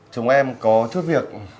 chúng em có chút việc